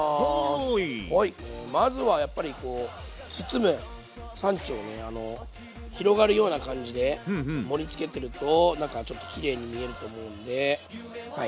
まずはやっぱりこう包むサンチュをね広がるような感じで盛りつけてるとなんかちょっときれいに見えると思うんではい。